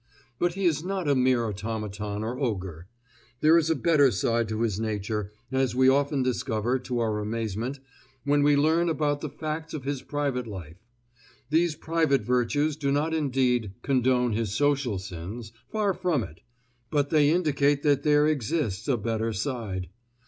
But he is not a mere automaton or ogre. There is a better side to his nature, as we often discover, to our amazement, when we learn about the facts of his private life. These private virtues do not indeed condone his social sins far from it but they indicate that there exists a better side.